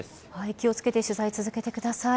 気を付けて取材を続けてください。